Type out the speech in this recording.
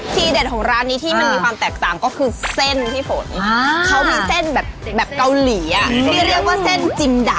เด็ดของร้านนี้ที่มันมีความแตกต่างก็คือเส้นพี่ฝนเขามีเส้นแบบเกาหลีอ่ะที่เรียกว่าเส้นจิมดะ